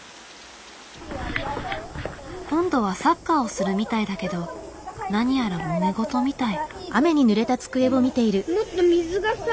今度はサッカーをするみたいだけど何やらもめごとみたい。